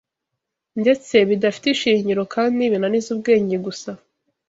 ndetse bidafite ishingiro kandi binaniza ubwenge gusa